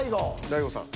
大悟さん。